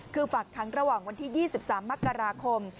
คือฝากค้างระหว่างวันที่๒๓มกราคม